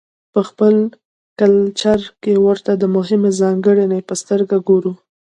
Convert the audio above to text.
په خپل کلچر کې ورته د مهمې ځانګړنې په سترګه ګورو.